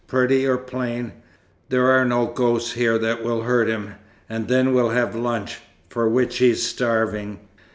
Pretty or plain, there are no ghosts here that will hurt him. And then we'll have lunch, for which he's starving."